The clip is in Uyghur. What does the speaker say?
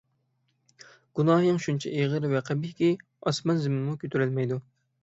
گۇناھىڭ شۇنچە ئېغىر ۋە قەبىھكى، ئاسمان - زېمىنمۇ كۆتۈرەلمەيدۇ!